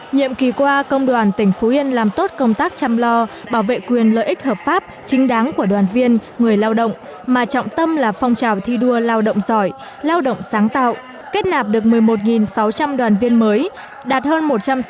nhiệm kỳ qua công đoàn tỉnh phú yên làm tốt công tác chăm lo bảo vệ quyền lợi ích hợp pháp chính đáng của đoàn viên người lao động mà trọng tâm là phong trào thi đua lao động giỏi lao động sáng tạo kết nạp được một mươi một sáu trăm linh đoàn viên mới đạt hơn một trăm sáu mươi